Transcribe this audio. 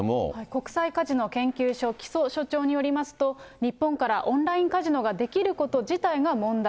国際カジノ研究所木曽署長によりますと、日本からオンラインカジノができること自体が問題。